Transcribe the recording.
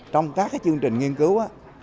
trong các chương trình nghiên cứu